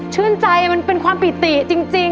ชื่นใจมันเป็นความปิติจริง